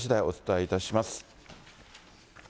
お伝えいたします。